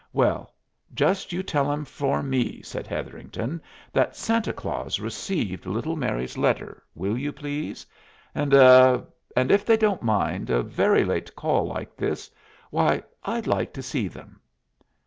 "Well, just you tell 'em for me," said Hetherington, "that Santa Claus received little Mary's letter, will you, please? And er and if they don't mind a very late call like this, why I'd like to see them."